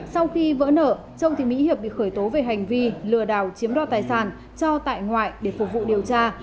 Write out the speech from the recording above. sau khi vỡ nợ trương thị mỹ hiệp bị khởi tố về hành vi lừa đảo chiếm đo tài sản cho tại ngoại để phục vụ điều tra